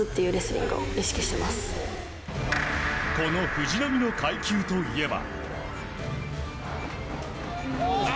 この藤波の階級といえば。